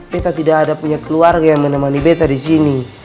beta tidak ada punya keluarga yang menemani beta di sini